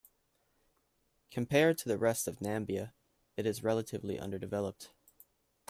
Compared to the rest of Namibia, it is relatively underdeveloped.